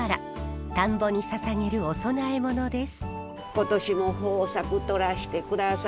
田んぼにささげるお供え物です。